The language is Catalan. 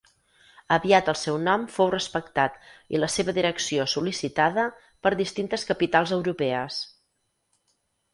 Aviat el seu nom fou respectat i la seva direcció sol·licitada per distintes capitals europees.